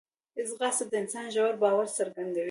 ځغاسته د انسان ژور باور څرګندوي